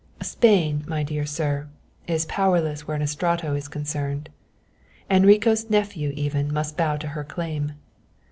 "Spain, my dear sir, is powerless where an Estrato is concerned. Enrico's nephew even must bow to her claim.